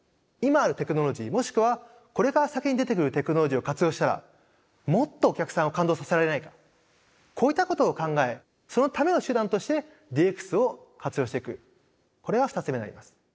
今あるテクノロジーもしくはこれから先に出てくるテクノロジーを活用したらもっとお客さんを感動させられないかこういったことを考えそのための手段としてＤＸを活用していくこれが２つ目になります。